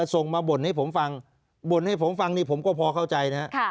ส่งมาบ่นให้ผมฟังบ่นให้ผมฟังนี่ผมก็พอเข้าใจนะครับ